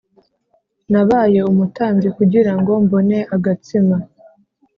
Nabaye umutambyi kugira ngo mbone agatsima.